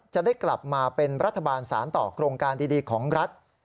จะได้กลับมาเป็นรัฐบาลสารต่อโครงการดีของรัฐ